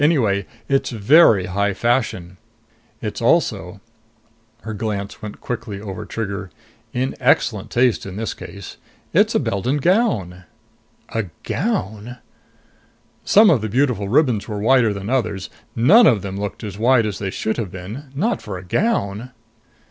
Anyway, it's very high fashion. It's also" her glance went quickly over Trigger "in excellent taste, in this case. It's a Beldon gown." A gown! Some of the beautiful ribbons were wider than others. None of them looked as wide as they should have been. Not for a gown.